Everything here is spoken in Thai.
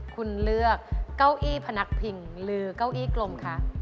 คุณเลือกเก้าอี้พนักพิงหรือเก้าอี้กลมคะ